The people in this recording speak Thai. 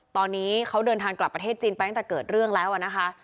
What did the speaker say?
ตอนนี้เขาเดินทางกลับประเทศจีนไปตั้งแต่เกิดเรื่องแล้วนะคะ